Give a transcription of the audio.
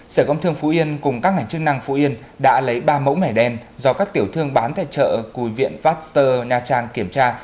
sở công thương phú yên cùng các ngành chức năng phú yên đã lấy ba mẫu mẻ đen do các tiểu thương bán tại chợ cùi viện pasteur nha trang kiểm tra